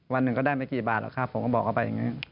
วันหนึ่งก็ได้ไม่กี่บาทหรอกครับผมก็บอกเขาไปอย่างนี้